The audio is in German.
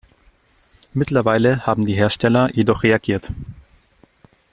Mittlerweile haben die Hersteller jedoch reagiert.